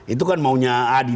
itu kan maunya adil